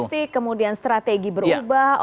statistik kemudian strategi berubah